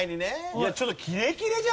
いやちょっとキレキレじゃない！